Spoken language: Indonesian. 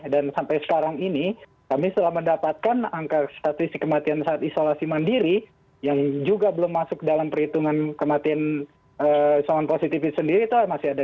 dan sampai sekarang ini kami sudah mendapatkan angka statistik kematian saat isolasi mandiri yang juga belum masuk dalam perhitungan kematian isolasi positif itu sendiri itu masih ada dua enam ratus empat puluh satu